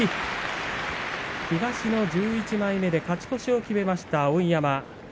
東の１１枚目で勝ち越しを決めました碧山。